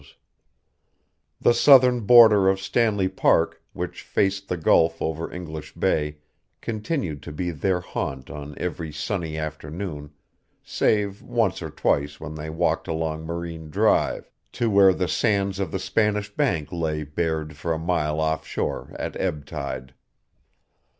The southern border of Stanley Park which faced the Gulf over English Bay continued to be their haunt on every sunny afternoon, save once or twice when they walked along Marine Drive to where the sands of the Spanish Bank lay bared for a mile offshore at ebb tide.